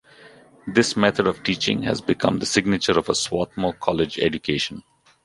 This method of teaching has become the signature of a Swarthmore College education.